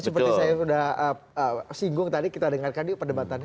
seperti saya sudah singgung tadi kita dengarkan yuk perdebatannya